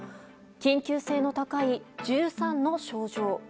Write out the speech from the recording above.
緊急性の高い１３の症状。